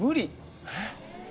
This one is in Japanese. えっ？